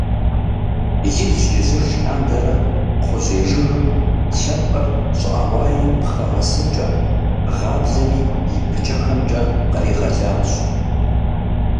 Ижь-ижьыж лъандэрэ кхъужьей жыгым лъэпкъыр щӀыӀэ-уаем пхъэ гъэсынкӀэ, гъаблэми и пыкӀэхэмкӀэ къригъэлащ.